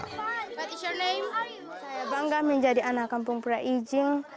saya bangga menjadi anak kampung prai ijin